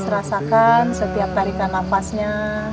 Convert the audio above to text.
rasakan setiap tarikan nafasnya